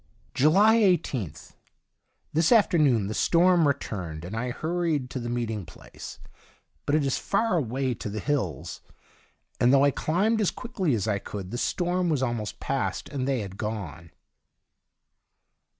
July 18th. — This afternoon the storm returned, and I hurried to the meeting place, but it is far away to the hills, and though I climbed as quickly as I could the storm was almost passed, and they had gone.